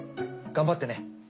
頑張ってね。